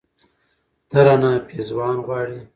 ، ته رانه پېزوان غواړې